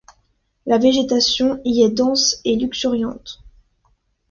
La végétation y est dense et luxuriante.